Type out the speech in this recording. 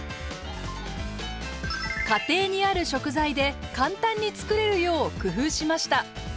家庭にある食材で簡単に作れるよう工夫しました。